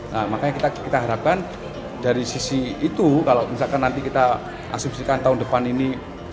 nah makanya kita harapkan dari sisi itu kalau misalkan nanti kita asumsikan tahun depan ini